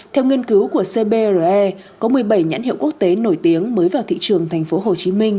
theo nghiên cứu của cbre có một mươi bảy nhãn hiệu quốc tế nổi tiếng mới vào thị trường thành phố hồ chí minh